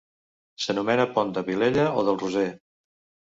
S'anomena pont de Vilella o del Roser.